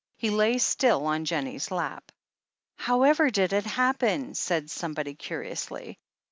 He lay still on Jennie's lap. "However did it happen ?" said somebody curiously.